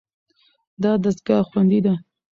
دا دستګاه خوندي ده.